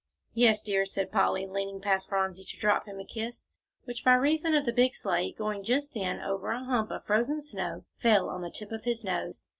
"Yes, dear," said Polly, leaning past Phronsie to drop him a kiss, which, by reason of the big sleigh going just then over a hump of frozen snow, fell on the tip of his nose.